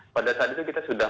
pada saat itu kita sudah